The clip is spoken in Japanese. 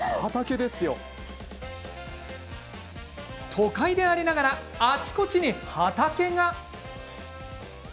都会でありながらあちこちに畑が。